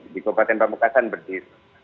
di kabupaten pemekasan berdiri